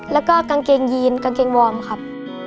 แล้วก็กางเกงยีนกางเกงวอร์มครับ